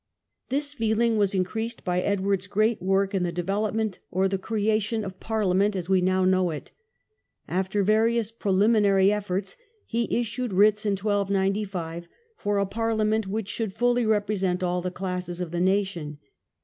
This feeling was increased by Edward's great work in the development, or the creation, of Parliament as we .now know it. After various preliminary The Model efforts, he issued writs in 1295 for a parlia Parliament, ment which should fully represent all the classes of the nation.